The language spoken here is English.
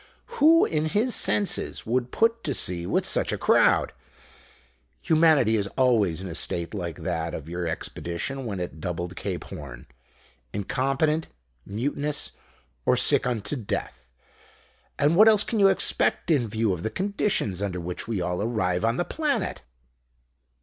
Who in his senses would put to sea with such a crowd? Humanity is always in a state like that of your Expedition when it doubled Cape Horn incompetent, mutinous, or sick unto death. And what else can you expect in view of the conditions under which we all arrive on the planet?"